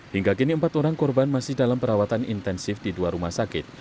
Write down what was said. hingga kini empat orang korban masih dalam perawatan intensif di dua rumah sakit